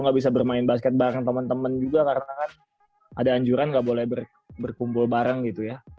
nggak bisa bermain basket bareng teman teman juga karena kan ada anjuran nggak boleh berkumpul bareng gitu ya